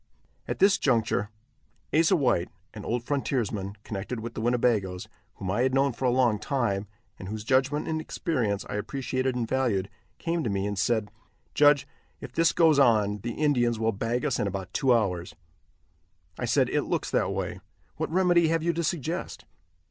At this juncture Asa White, an old frontiersman, connected with the Winnebagoes, whom I had known for a long time, and whose judgment and experience I appreciated and valued, came to me and said: "Judge, if this goes on, the Indians will bag us in about two hours." I said: "It looks that way; what remedy have you to suggest."